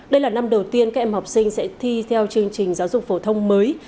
đây là năm đầu tiên các em học sinh sẽ thi theo chương trình giáo dục phổ thông mới